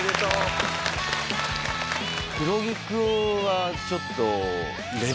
黒木君はちょっと。